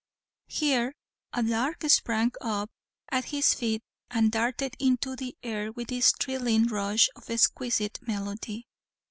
Here, a lark sprang up at his feet and darted into the air with its thrilling rush of exquisite melody.